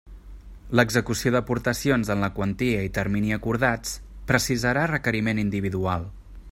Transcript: L'execució d'aportacions en la quantia i termini acordats, precisarà requeriment individual.